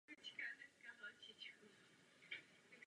Objevil ji opětovně u zrcadla.